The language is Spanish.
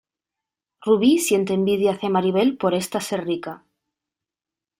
Rubí siente envidia hacia Maribel por esta ser rica.